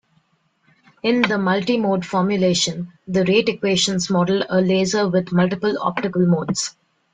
In the multimode formulation, the rate equations model a laser with multiple optical modes.